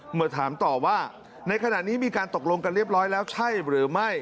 เมื่อถามต่อว่าในขณะนี้มีการตกลงกันเรียบร้อยแล้วใช่หรือไม่